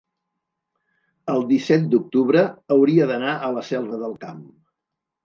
el disset d'octubre hauria d'anar a la Selva del Camp.